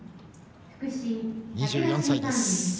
２４歳です。